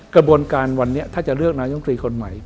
กระบวนการวันนี้ถ้าจะเลือกนายมตรีคนใหม่